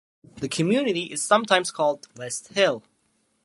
The community is sometimes called "West Hill".